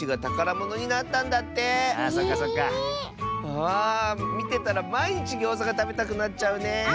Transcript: ああみてたらまいにちギョーザがたべたくなっちゃうねえ。